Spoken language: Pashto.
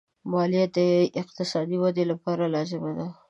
مالیه د اقتصادي ودې لپاره لازمي ده.